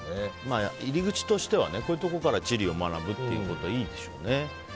入り口としてはこういうところから地理を学ぶっていうのはいいでしょうね。